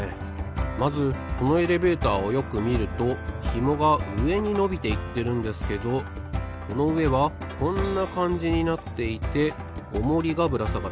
まずこのエレベーターをよくみるとひもがうえにのびていってるんですけどこのうえはこんなかんじになっていてオモリがぶらさがってます。